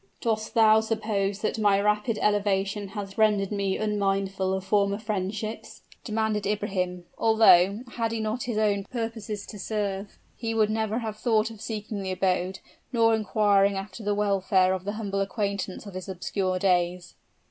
"Dost thou suppose that my rapid elevation has rendered me unmindful of former friendships?" demanded Ibrahim; although, had he not his own purposes to serve, he would never have thought of seeking the abode, nor inquiring after the welfare of the humble acquaintance of his obscure days.